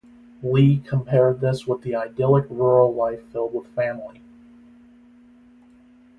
Li compared this with the idyllic rural life filled with family.